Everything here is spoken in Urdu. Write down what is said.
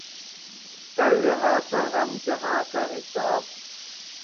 کر رہا تھا غم جہاں کا حساب